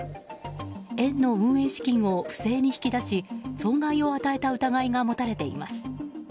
園の運営資金を不正に引き出し損害を与えた疑いが持たれています。